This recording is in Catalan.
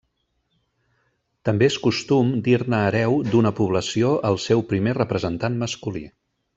També és costum dir-ne hereu d'una població al seu primer representant masculí.